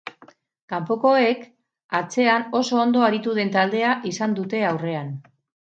Kanpokoek atzean oso ondo aritu den taldea izan dute aurrean.